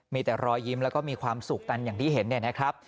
มีแต่รอยยิ้มแล้วก็มีความสุขกันอย่างที่เห็นเนี่ยนะครับ